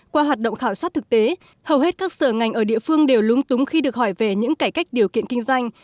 qua hoạt động khảo sát thực tế hầu hết các sở ngành ở địa phương đều lúng túng khi được hỏi về những cải cách điều kiện kinh doanh